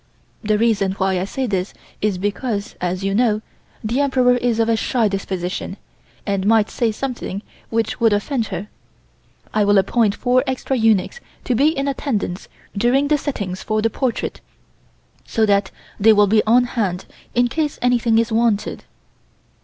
The reason why I say this is because, as you know, the Emperor is of a shy disposition, and might say something which would offend her. I will appoint four extra eunuchs to be in attendance during the sittings for the portrait, so that they will be on hand in case anything is wanted."